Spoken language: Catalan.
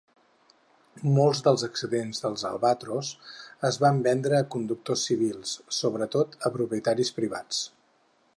Molts dels excedents dels Albatross es van vendre a conductors civils, sobretot a propietaris privats.